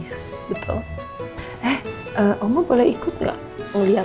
yes betul eh oma boleh ikut gak mau liat